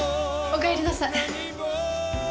おかえりなさい。